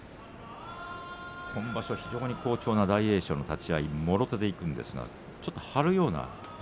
今場所、非常に好調な大栄翔の立ち合いもろ手でいくんですがちょっと張るような。